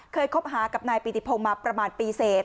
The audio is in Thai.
คบหากับนายปิติพงศ์มาประมาณปีเสร็จ